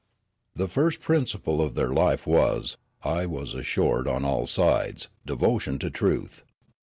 The first principle of their life was, I was assured on all sides, devotion to truth.